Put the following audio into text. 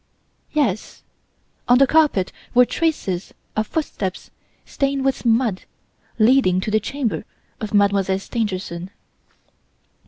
Yes, on the carpet were traces of footsteps stained with mud leading to the chamber of Mademoiselle Stangerson.